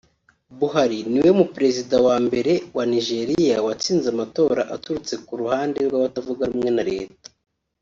Buhari niwe mu Perezida wa mbere wa Nigeria watsinze amatora aturutse ko ruhande rw’abatavuga rumwe na leta